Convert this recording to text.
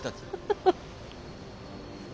ハハハ。